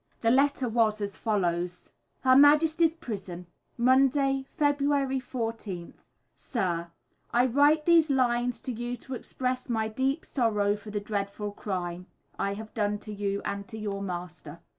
The letter was as follows: Her Majesty's Prison, Monday, Feb. 14th. Sir, I write these lines to you to express my deep sorrow for the dreadful crime I have done to you and to your master.